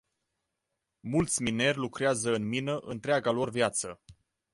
Mulți mineri lucrează în mină întreaga lor viață.